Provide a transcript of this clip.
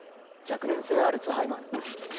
若年性アルツハイマーなんだ。